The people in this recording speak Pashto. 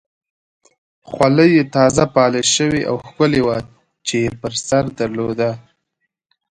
خولۍ یې تازه پالش شوې او ښکلې وه چې یې پر سر درلوده.